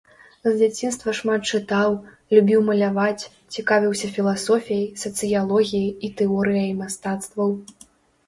З дзяцінства шмат чытаў, любіў маляваць, цікавіўся філасофіяй, сацыялогіяй і тэорыяй мастацтваў.